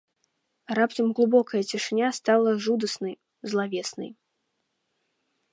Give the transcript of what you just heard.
Раптам глыбокая цішыня стала жудаснай, злавеснай.